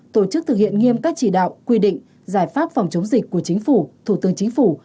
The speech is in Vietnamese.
tổ chức thực hiện nghiêm các chỉ đạo quy định giải pháp phòng chống dịch của chính phủ thủ tướng chính phủ